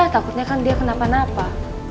takutnya kan dia kenapa napa